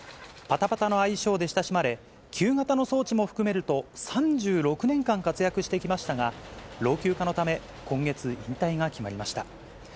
パタパタの愛称で親しまれ、旧型の装置も含めると、３６年間活躍してきましたが、老朽化のため、今月、引退が決まりました。